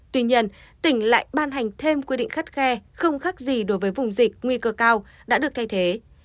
tuy nhiên tỉnh lại ban hành thêm quy định khắt khe không khác gì đối với vùng dịch nguy cơ cao đã được thay thế